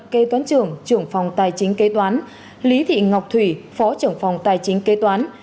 kê toán trưởng trưởng phòng tài chính kê toán lý thị ngọc thủy phó trưởng phòng tài chính kê toán